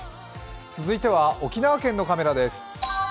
続いては沖縄県のカメラです。